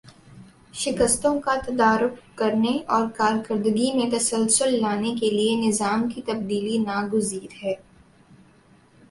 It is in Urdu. شکستوں کا تدارک کرنے اور کارکردگی میں تسلسل لانے کے لیے نظام کی تبدیلی ناگزیر ہے